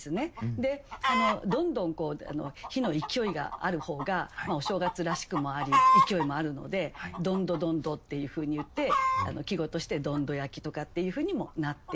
でどんどん火の勢いがある方がお正月らしくもあり勢いもあるので「どんどどんど」っていうふうに言って季語として「どんど焼」とかっていうふうにもなっています。